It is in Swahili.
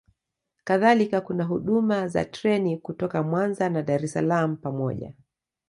kadhalika kuna huduma za treni kutoka Mwanza na Dar es Salaam pamoja